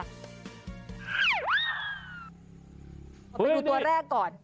เอาไปดูตัวแรกก่อน